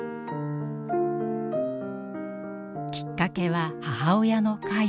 きっかけは母親の介護。